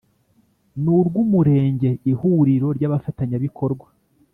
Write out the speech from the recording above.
n urw Umurenge Ihuriro ry Abafatanyabikorwa